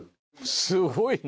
すごいな。